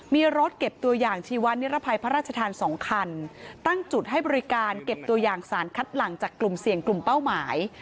มีรถเก็บตัวอย่างชีวะนิรภัยพระราชทาน๒คันตั้งจุดให้บริการเก็บตัวอย่างสารคัดหลังจากกลุ่มเสี่ยงกลุ่มเป้าหมาย